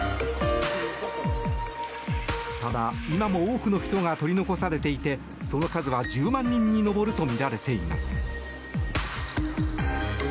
ただ、今も多くの人が取り残されていてその数は１０万人に上るとみられています。